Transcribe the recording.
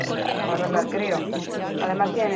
Bere lan ugariren ezaugarri amankomunak.